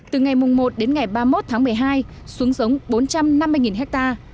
từ ngày một đến ngày ba mươi một tháng một mươi hai xuống giống bốn trăm năm mươi ha